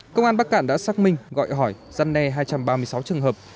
công an bắc cạn đã xác minh gọi hỏi răn ne hai trăm ba mươi sáu trường hợp